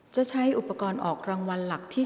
จะใช้อุปกรณ์ออกรางวัลหลักที่๓